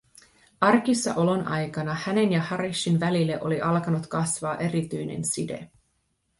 Arkissa olon aikana hänen ja Harishin välille oli alkanut kasvaa erityinen side.